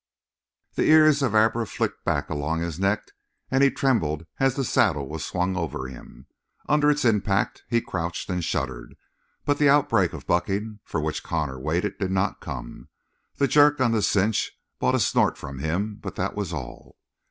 The ears of Abra flicked back along his neck and he trembled as the saddle was swung over him. Under its impact he crouched and shuddered, but the outbreak of bucking for which Connor waited did not come. The jerk on the cinch brought a snort from him, but that was all.